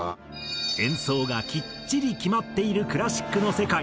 演奏がきっちり決まっているクラシックの世界。